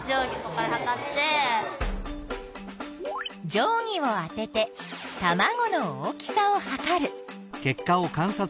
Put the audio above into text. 定規をあててたまごの大きさをはかる。